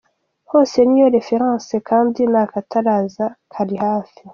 Hose niyo reference kandi n’ akataraza kari hafi.